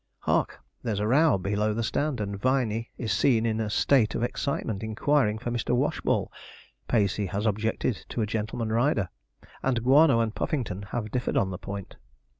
Hark! there's a row below the stand, and Viney is seen in a state of excitement inquiring for Mr. Washball. Pacey has objected to a gentleman rider, and Guano and Puffington have differed on the point.